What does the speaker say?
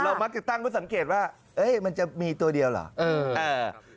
เรามักจะตั้งเพื่อสังเกตว่าเอ๊ยมันจะมีตัวเดียวเหรอเออ